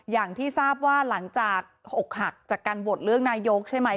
อย่างที่ทราบว่าหลังจาก๖หักจากการโหวตเลือกนายกใช่ไหม